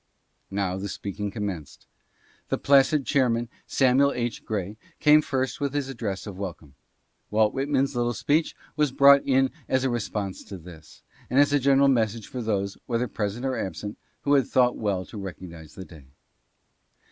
Now the speaking commenced. The placid chairman, Samuel H. Grey, came first with his address of welcome. Walt Whit man's little speech was brought in as a response to this, and as a general message for those, whether present or absent, who had thought well to recognize the day.